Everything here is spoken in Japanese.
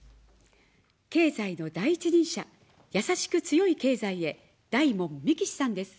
経済の第一人者、やさしく強い経済へ、大門みきしさんです。